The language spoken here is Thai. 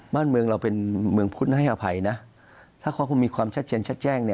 บ้านเมืองเราเป็นเมืองพุทธนะให้อภัยนะถ้าเขาคงมีความชัดเจนชัดแจ้ง